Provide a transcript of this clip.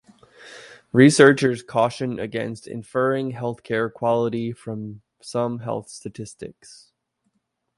Researchers caution against inferring healthcare quality from some health statistics.